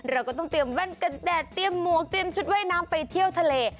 เราก็ต้องเตรียมแว่นกระแดดเตรียมหมวกเตรียมชุดว่ายน้ำไปเที่ยวทะเล